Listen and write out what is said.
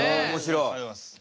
ありがとうございます。